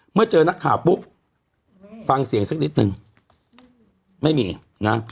เมื่อเจอนักข่าวปุ๊บฟังเสียงสักนิดนึงไม่มีนะ